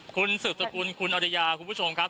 คุณสืบสกุลคุณอริยาคุณผู้ชมครับ